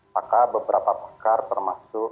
maka beberapa pakar termasuk